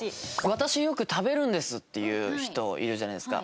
「私よく食べるんです」って言う人いるじゃないですか。